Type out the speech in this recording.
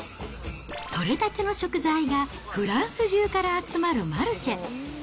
とれたての食材がフランス中から集まるマルシェ。